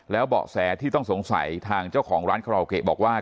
แล้วเบาะแสที่ต้องสงสัยทางเจ้าของร้านคาราโอเกะบอกว่า